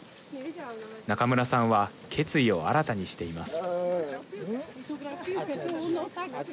中村さんは決意を新たにしています。